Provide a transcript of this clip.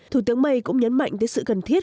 thủ tướng may cũng nhấn mạnh tới sự cần thiết